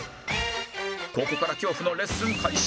ここから恐怖のレッスン開始